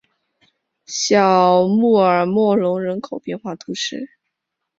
小穆尔默隆人口变化图示